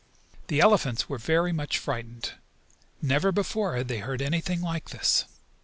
The elephants were very much frightened. Never before had they heard anything like this.